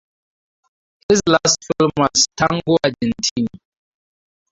His last film was "Tango Argentino".